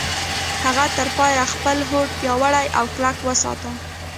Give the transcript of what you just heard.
هغه تر پايه خپل هوډ پياوړی او کلک وساته.